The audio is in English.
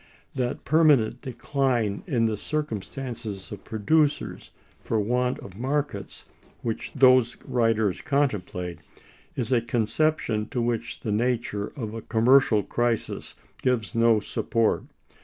That permanent decline in the circumstances of producers, for want of markets, which those writers contemplate, is a conception to which the nature of a commercial crisis gives no support.